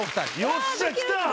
よっしゃきた！